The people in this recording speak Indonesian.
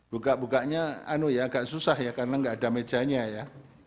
buka bukanya agak susah ya karena nggak ada mejanya ya